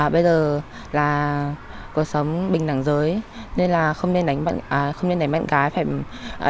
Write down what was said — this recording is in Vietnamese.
bây giờ là cuộc sống bình đẳng giới nên là không nên đánh bạn gái